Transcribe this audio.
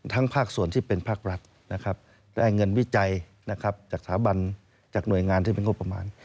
ทั้งภาคส่วนที่เป็นภาครัฐได้เงินวิจัยจากสาบัญจากหน่วยงานที่เป็นงบประมาณ